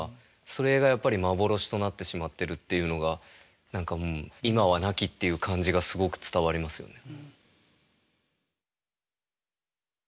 それがやっぱり幻となってしまってるっていうのが何か今はなきっていう感じがすごく伝わりますよね。